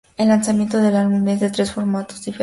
El lanzamiento del álbum es en tres formatos diferentes.